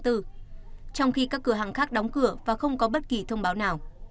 trong khi các cửa hàng khác đóng cửa và không có bất kỳ thông báo nào